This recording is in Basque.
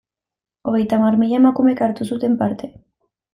Hogeita hamar mila emakumek hartu zuten parte.